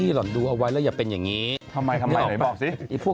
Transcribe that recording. หนูตัวแรกมาแล้ว